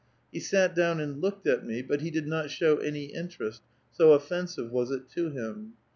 He sat down and looked at me ; but he did not show any interest, so offensive was it to him.